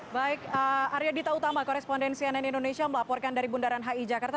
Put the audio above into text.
baik arya dita utama korespondensi ann indonesia melaporkan dari bundaran hi jakarta